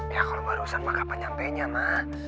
ya kalau barusan ma kapan nyampe nya ma